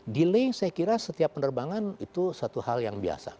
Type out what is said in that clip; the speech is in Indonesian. delay saya kira setiap penerbangan itu satu hal yang biasa